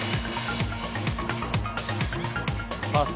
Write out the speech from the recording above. パス。